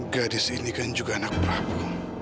gadis ini kan juga anak prabu